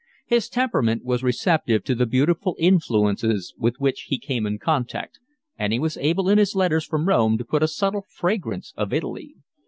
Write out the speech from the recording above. His temperament was receptive to the beautiful influences with which he came in contact, and he was able in his letters from Rome to put a subtle fragrance of Italy.